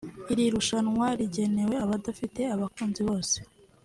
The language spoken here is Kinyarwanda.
Iri rushanwa rigenewe abafite abakunzi bose